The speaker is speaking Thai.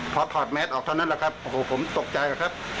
พอถอดแมสออกเท่านั้นแหละครับโอ้โหผมตกใจครับ